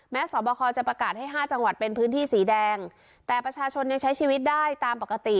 สอบคอจะประกาศให้ห้าจังหวัดเป็นพื้นที่สีแดงแต่ประชาชนยังใช้ชีวิตได้ตามปกติ